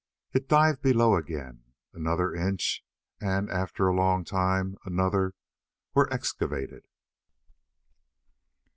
It dived below again. Another inch and, after a long time, another, were excavated.